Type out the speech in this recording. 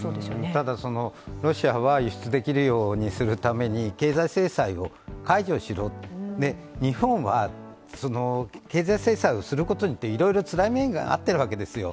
ただ、ロシアは輸出できるようにするために経済制裁を解除しろ、日本は経済制裁をすることによっていろいろつらい目に遭っているわけですよ。